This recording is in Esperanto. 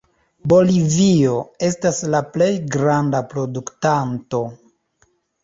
Bolivio estas la plej granda produktanto.